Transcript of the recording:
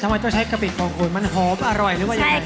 ว่าต้องใช้กะปิของคุณมันหอมอร่อยหรือว่ายังไง